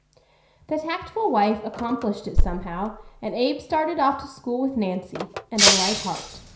The tactful wife accomplished it somehow and Abe started off to school with Nancy, and a light heart.